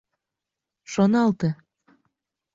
Шоналте...